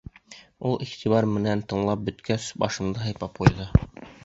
Ул, иғтибар менән тыңлап бөткәс, башымдан һыйпап ҡуйҙы.